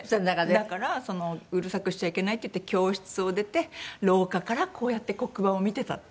だからうるさくしちゃいけないっていって教室を出て廊下からこうやって黒板を見てたって。